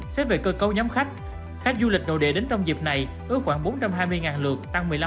xếp về cơ cấu nhóm khách khách du lịch nội địa đến trong dịp này ước khoảng bốn trăm hai mươi lượt tăng một mươi năm